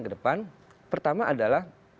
ke depan pertama adalah